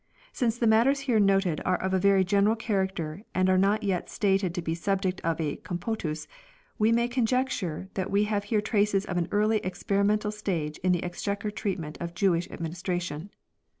Since the matters here noted are of a very general character and are yet stated to be the subject of a " Compotus," we may conjecture that we have here traces of an early experimental stage in the Exchequer treatment of Jewish administration.